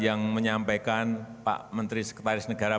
yang menyampaikan pak menteri sekretaris negara